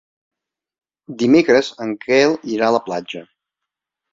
Dimecres en Quel irà a la platja.